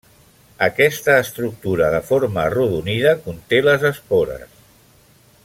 Aquesta estructura de forma arrodonida conté les espores.